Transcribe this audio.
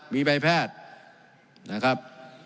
มีใบแพทย์นะครับ